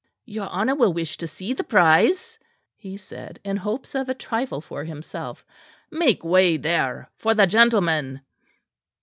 "Your honour will wish to see the prize?" he said, in hopes of a trifle for himself; "make way there for the gentleman."